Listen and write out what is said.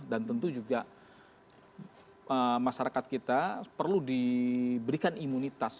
dan tentu juga masyarakat kita perlu diberikan imunitas